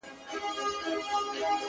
سړي وویل حاکمه ستا قربان سم؛